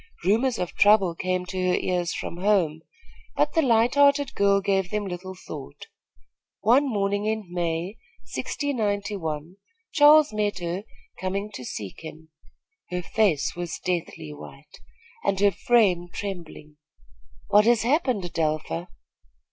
Rumors of trouble came to her ears from home; but the light hearted girl gave them little thought. One morning in May, 1691, Charles met her coming to seek him. Her face was deathly white, and her frame trembling. "What has happened, Adelpha?"